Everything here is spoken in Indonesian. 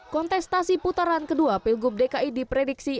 kontestasi putaran kedua pilgub dki diprediksi